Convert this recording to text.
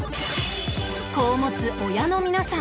子を持つ親の皆さん